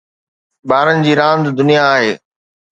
ٻارن جي راند دنيا آهي